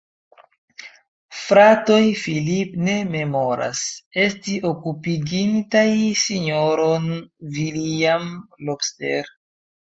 Fratoj Philip ne memoras, esti okupigintaj S-ron Villiam Lobster.